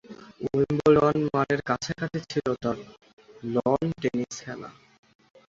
Wimbledon মানের কাছাকাছি ছিল তার লন টেনিস খেলা।